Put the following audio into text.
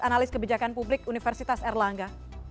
analis kebijakan publik universitas erlangga